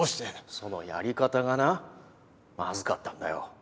そのやり方がなまずかったんだよ。